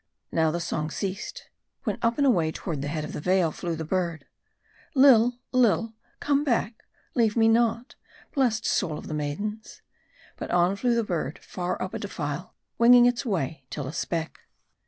Now the song ceased ; when up and away toward the head of the vale, flew the bird. " Lil ! Lil ! come back, leave me not, blest souls of the maidens." But 011 flew the bird, far up a defile, winging its way till a speck.